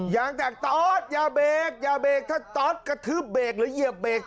อย่าเบรกถ้าต๊อตกระทืบเบรกหรือเหยียบเบรก